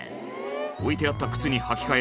置いてあった靴に履き替え